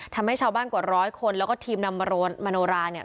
ทำให้ชาวบ้านกว่าร้อยคนแล้วก็ทีมนำมโนราเนี่ย